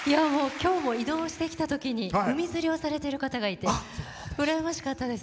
きょうも移動してきたときに海釣りをされてる方がいて羨ましかったです。